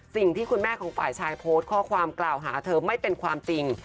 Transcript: สิ่งที่คุณแม่ของฝ่ายชายโพสต์ข้อความกล่าวหาเธอไม่เป็นความจริง